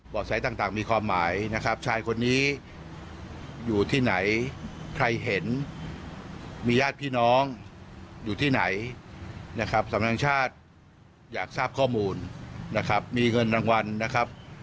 ใช้ต่างมีความหมายนะครับชายคนนี้อยู่ที่ไหนใครเห็นมีญาติพี่น้องอยู่ที่ไหนนะครับสำนักชาติอยากทราบข้อมูลนะครับมีเงินรางวัลนะครับ